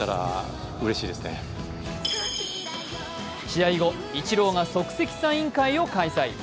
試合後、イチローが即席サイン会を開催。